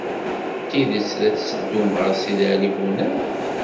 D tidet la tetteddum ɣer Sidi Ɛli Bunab?